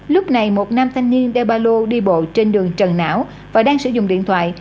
lúc này một nam thanh niên đeo ba lô đi bộ trên đường trần não và đang sử dụng điện thoại